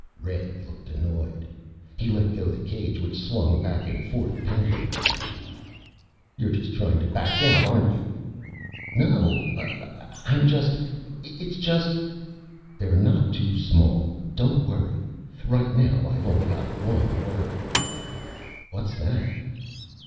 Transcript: Red looked annoyed. He let go the cage which swung back and forth pendulum fashion. "You're just trying to back out, aren't you?" "No, I'm not. It's just " "They're not too small, don't worry. Right now, I've only got one worry." "What's that?"